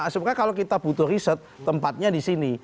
sebenarnya kalau kita butuh riset tempatnya disini